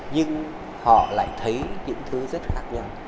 nhưng họ lại thấy những thứ rất khác nhau